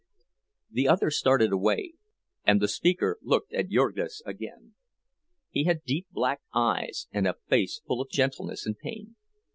The other started away, and the speaker looked at Jurgis again. He had deep, black eyes, and a face full of gentleness and pain.